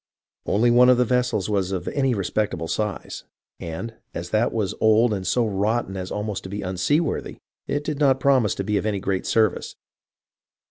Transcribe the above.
Only one of the vessels was of any respectable size, and, as that was old and so rotten as almost to be unseaworthy, it did not promise to be of any great service.